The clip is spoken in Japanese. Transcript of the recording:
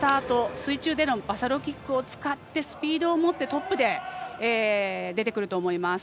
水中でのバサロキックを使ってスピードを持ってトップで出てくると思います。